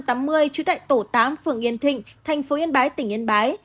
trú tại tổ tám phường yên thịnh thành phố yên bái tỉnh yên bái